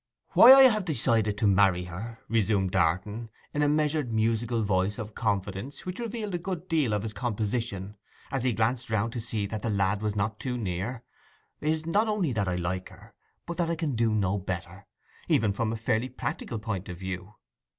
'Why I have decided to marry her,' resumed Darton (in a measured musical voice of confidence which revealed a good deal of his composition), as he glanced round to see that the lad was not too near, 'is not only that I like her, but that I can do no better, even from a fairly practical point of view.